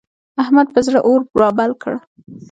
احمد پر زړه اور رابل کړ.